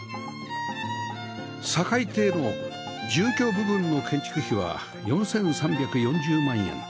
酒井邸の住居部分の建築費は４３４０万円